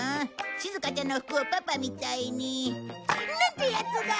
しずかちゃんの服をパパみたいに。なんてやつだ！